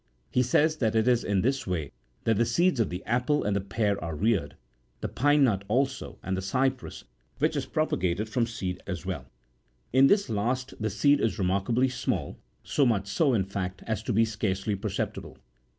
43 He says that it is in this way that the seeds of the apple and the pear are reared, the pine nut also, and the cypress,44 which is propagated from seed as well. In this last, the seed is remarkably45 small, so much so, in fact, as to be scarcely perceptible.